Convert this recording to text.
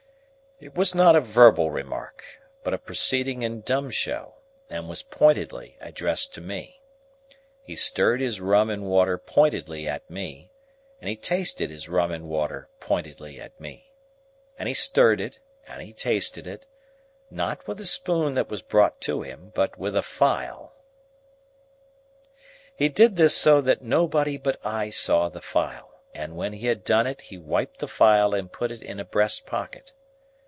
It was not a verbal remark, but a proceeding in dumb show, and was pointedly addressed to me. He stirred his rum and water pointedly at me, and he tasted his rum and water pointedly at me. And he stirred it and he tasted it; not with a spoon that was brought to him, but with a file. He did this so that nobody but I saw the file; and when he had done it he wiped the file and put it in a breast pocket.